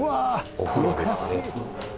お風呂ですね。